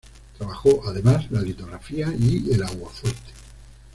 Trabajó además la litografía y el aguafuerte.